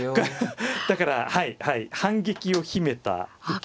だから反撃を秘めた受けの手。